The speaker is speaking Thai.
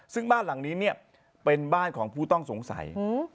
ซึ่งบ้านหลังนี้เนี่ยเป็นบ้านของผู้ต้องสงสัย